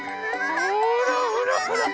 ほらほらほら。